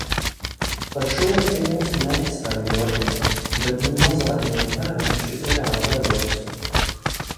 Par šo ir pilns nets ar jokiem. Bet nu mazākajam bērnam šis reāli darbojas.